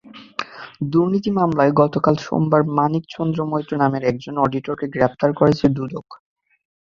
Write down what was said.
দুর্নীতির মামলায় গতকাল সোমবার মানিক চন্দ্র মৈত্র নামের একজন অডিটরকে গ্রেপ্তার করেছে দুদক।